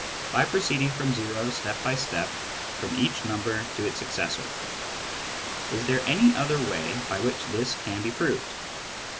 by proceeding from o step by step from each number to its successor. Is there any other way by which this can be proved